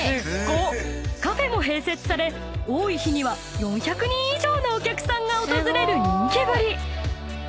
［カフェも併設され多い日には４００人以上のお客さんが訪れる人気ぶり］